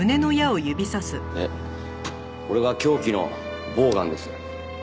でこれが凶器のボウガンです。